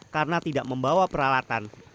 karena tidak membawa peralatan